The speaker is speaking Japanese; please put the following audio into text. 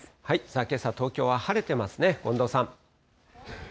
けさ、東京は晴れてますね、近藤さん。